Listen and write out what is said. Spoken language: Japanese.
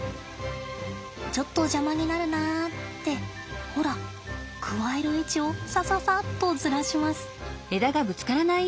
「ちょっと邪魔になるな」ってほらくわえる位置をさささっとずらします。